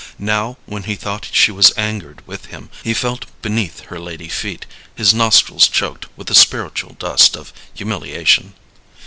Now, when he thought she was angered with him, he felt beneath her lady feet, his nostrils choked with a spiritual dust of humiliation.